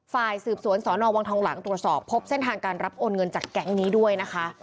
ฝ่ายสืบสวนสอนอวังทองหลังตรวจสอบพบเส้นทางการรับโอนเงินจากแก๊งนี้ด้วยนะคะ